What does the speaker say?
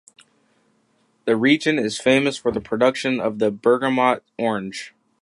The region is famous for the production of the Bergamot orange.